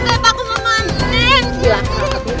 iya aku mau mandir